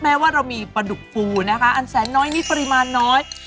ว่าเรามีปลาดุกฟูนะคะอันแสนน้อยนี่ปริมาณน้อย